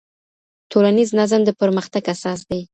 ټولنيز نظم د پرمختګ اساس دی.